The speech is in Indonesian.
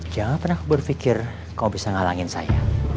jangan pernah berpikir kau bisa ngalangin saya